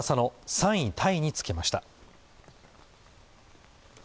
３位タイに付けました。